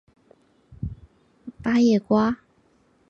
八叶瓜